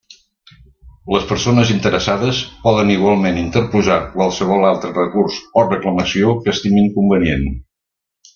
Les persones interessades poden igualment interposar qualsevol altre recurs o reclamació que estimin convenient.